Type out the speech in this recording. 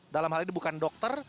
dalam hal ini bukan dokter